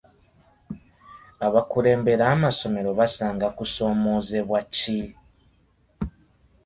Abakulembera amasomero basanga kusoomozebwa ki?